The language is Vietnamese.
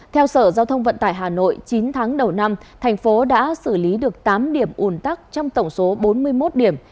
theo sở giao thông vận tải hà nội chín tháng đầu năm thành phố đã xử lý được tám điểm ùn tắc trong tổng số bốn mươi một điểm